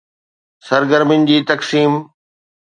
سرگرمين جي تقسيم